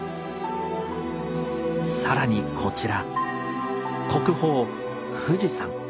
更にこちら。